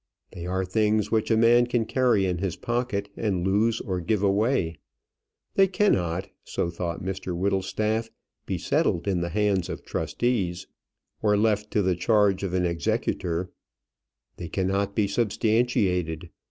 They are things which a man can carry in his pocket, and lose or give away. They cannot, so thought Mr Whittlestaff, be settled in the hands of trustees, or left to the charge of an executor. They cannot be substantiated.